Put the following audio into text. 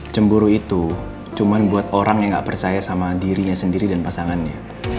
cemburu itu cuma buat orang yang nggak percaya sama dirinya sendiri dan pasangannya